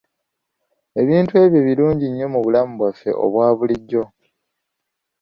Ebintu ebyo birungi nnyo mu bulamu bwaffe obwa bulijjo.